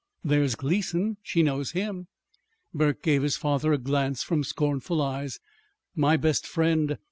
"There's Gleason she knows him." Burke gave his father a glance from scornful eyes. "My best friend!